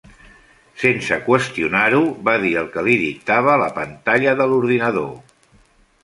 Sense qüestionar-ho va dir el que li dictava la pantalla de l'ordinador.